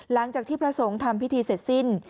หลังจากที่พระสงฆ์ทำพิธีเสร็จสิ้น